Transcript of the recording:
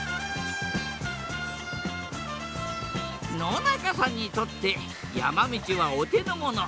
野中さんにとって山道はお手のもの。